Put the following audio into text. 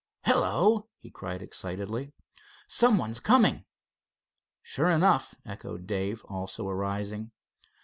"Hello!" he cried excitedly. "Someone is coming." "Sure enough," echoed Dave, also arising.